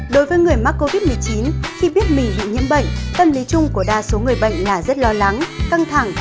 đối với người mắc covid một mươi chín khi biết mì bị nhiễm bệnh tâm lý chung của đa số người bệnh là rất lo lắng căng thẳng